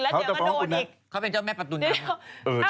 เขาเป็นเจ้าแม่ปะตุนนะ